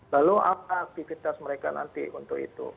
lalu apa aktivitas mereka nanti untuk itu